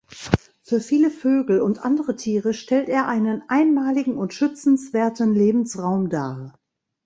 Für viele Vögel und andere Tiere stellt er einen einmaligen und schützenswerten Lebensraum dar.